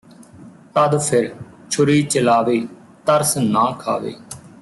ਤਦ ਫਿਰ ਛੁਰੀ ਚਲਾਵੇ ਤਰਸ ਨਾ ਖਾਵੇ